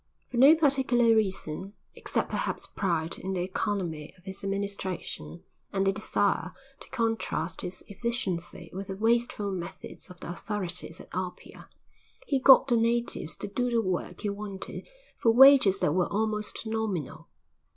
For no particular reason, except perhaps pride in the economy of his administration and the desire to contrast his efficiency with the wasteful methods of the authorities at Apia, he got the natives to do the work he wanted for wages that were almost nominal.